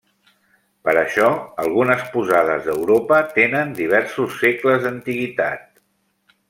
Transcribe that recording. Per això, algunes posades d'Europa tenen diversos segles d'antiguitat.